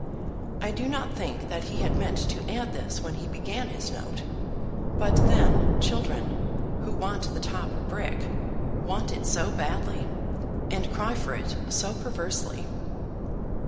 I do not think that he had meant to add this when he began his note; but then children, who want the top brick, want it so badly, and cry for it so perversely!